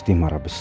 tidak ada varian